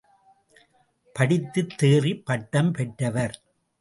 படித்துத் தேறிப் பட்டம் பெற்றவர்.